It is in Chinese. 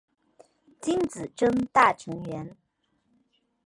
金子真大成员。